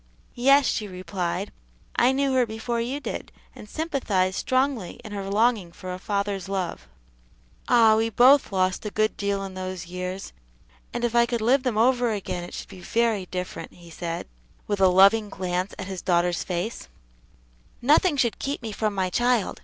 "Yes," she replied, "I knew her before you did, and sympathized strongly in her longing for a father's love." "Ah! we both lost a good deal in those years, and if I could live them over again it should be very different," he said, with a loving glance at his daughter's face; "nothing should keep me from my child.